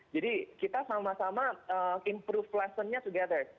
jadi kita sama sama improve lessonnya together